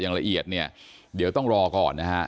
อย่างละเอียดเนี่ยเดี๋ยวต้องรอก่อนนะฮะ